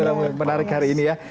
yang menarik hari ini ya